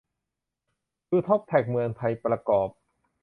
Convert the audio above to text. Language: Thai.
ดูท็อปแท็กเมืองไทยประกอบ